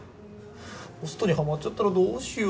ホストにハマっちゃったらどうしよう。